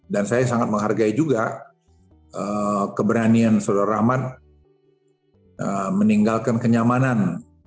dan saya sangat menghargai juga keberanian saudara rahmat meninggalkan kenyamanan